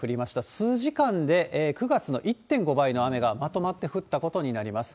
数時間で、９月の１．５倍の雨がまとまって降ったことになります。